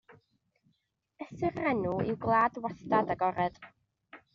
Ystyr yr enw yw gwlad wastad agored.